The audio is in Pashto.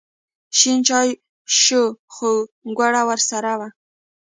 شین چای شو خو ګوړه ورسره وه.